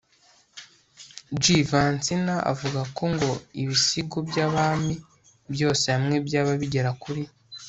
j.vansina avuga ko ngo ibisigo nyabami byose hamwe byaba bigera kuri